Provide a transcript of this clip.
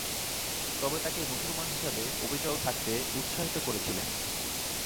তবে তাকে মুসলমান হিসেবে অবিচল থাকতে উত্সাহিত করেছিলেন।